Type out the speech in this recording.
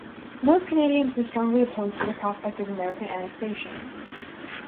Most Canadians were strongly opposed to the prospect of American annexation.